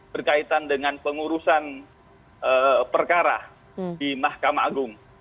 berkaitan dengan pengurusan perkara di mahkamah agung